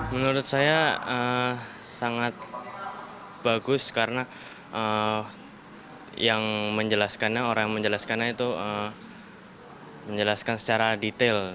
menurut saya sangat bagus karena yang menjelaskannya orang yang menjelaskannya itu menjelaskan secara detail